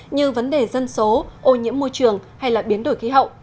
như vấn đề dân số ô nhiễm môi trường hay biến đổi khí hậu